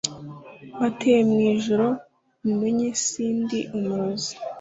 Mbateye mwijoro mumenye si ndi umurozi